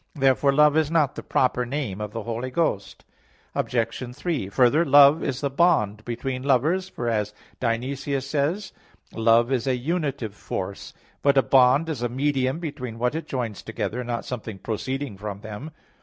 Therefore Love is not the proper name of the Holy Ghost. Obj. 3: Further, Love is the bond between lovers, for as Dionysius says (Div. Nom. iv): "Love is a unitive force." But a bond is a medium between what it joins together, not something proceeding from them.